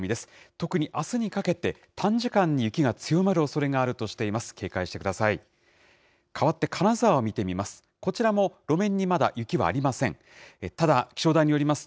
特にあすにかけて、短時間に雪が強まるおそれがあるとしています。